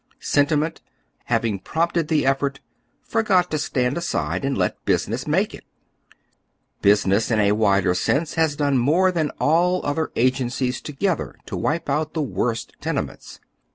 Sentiment, having prompted the effort, forgot to stand aside and let business make it. Business, in a wider sense, lias done more than all other agencies together to wipe out the worst tenements.